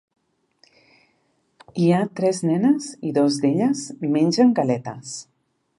Hi ha tres nenes i dos d"elles mengen galetes.